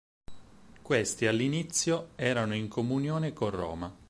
Questi all'inizio erano in comunione con Roma.